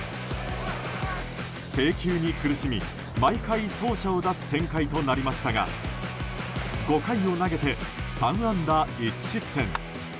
制球に苦しみ、毎回走者を出す展開となりましたが５回を投げて、３安打１失点。